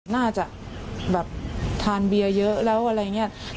น่าจะแบบทานเบียร์เยอะแล้วอะไรอย่างนี้